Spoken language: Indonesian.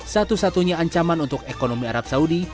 satu satunya ancaman untuk ekonomi arab saudi